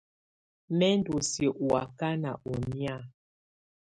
Mɛ ndɔ́ siǝ́ ɔ ákana ɔ nɛ̀á.